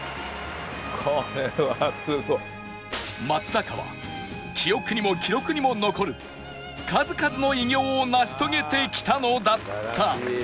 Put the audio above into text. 「これはすごい」松坂は記憶にも記録にも残る数々の偉業を成し遂げてきたのだった